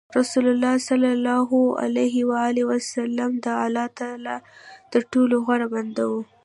رسول الله د الله تر ټولو غوره بنده و.